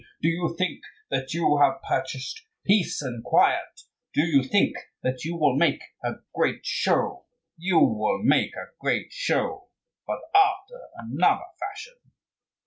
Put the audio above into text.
Do you think that you have purchased peace and quiet? do you think that you will make a great show? You will make a great show, but after another fashion.